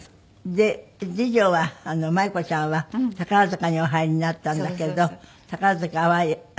で次女は舞子ちゃんは宝塚にお入りになったんだけど宝塚はそのあと辞めて。